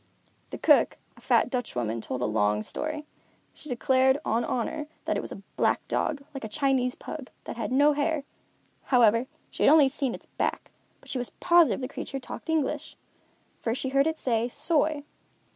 The cook, a fat Dutch woman, told a long story. She declared, on honor, that it was a black dog like a Chinese pug, that has no hair. However, she had only seen its back, but she was positive the creature talked English, for she heard it say "soy."